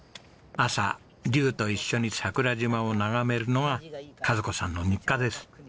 朝りゅうと一緒に桜島を眺めるのが和子さんの日課です。